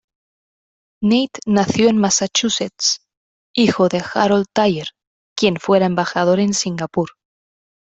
Nate nació en Massachusetts, hijo de Harold Thayer, quien fuera embajador en Singapur.